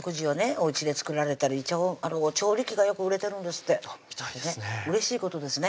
おうちで作られたり調理器がよく売れてるんですってあっみたいですねうれしいことですね